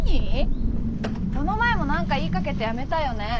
この前も何か言いかけてやめたよね？